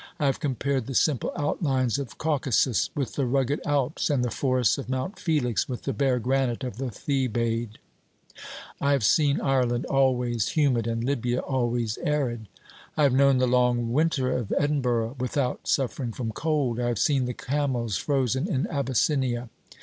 I have compared the simple outlines of Caucasus with the rugged Alps, and the forests of Mount Felix with the bare granite of the Thebaid. I have seen Ireland always humid and Lybia always arid ; I have known the long winter of Edin burgh without suffering from cold ; I have seen the camels frozen in Abyssinia.